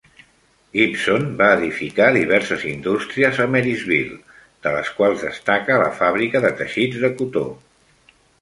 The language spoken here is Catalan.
Gibson va edificar diverses indústries a Marysville, de les quals destaca la fàbrica de teixits de cotó.